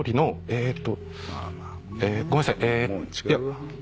えっ？